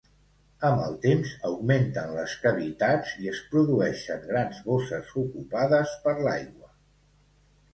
Amb el temps augmenten les cavitats i es produeixen grans bosses ocupades per l'aigua.